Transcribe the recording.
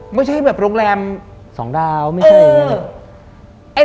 ไม่ใช่แบบโรงแรม๒ดาวไม่ใช่อย่างนี้